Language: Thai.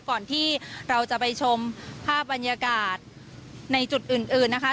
ก่อนที่เราจะไปชมภาพบรรยากาศในจุดอื่นนะคะ